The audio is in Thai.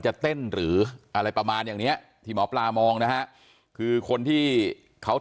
จะเต้นหรืออะไรประมาณอย่างเนี้ยที่หมอปลามองนะฮะคือคนที่เขา